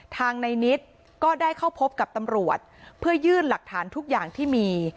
ทางในนิดก็ได้เข้าพบกับตำรวจเพื่อยื่นหลักฐานทุกอย่างที่มี